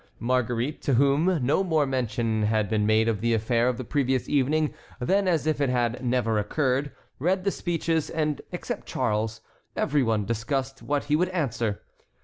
Marguerite, to whom no more mention had been made of the affair of the previous evening than as if it had never occurred, read the speeches, and, except Charles, every one discussed what he would answer.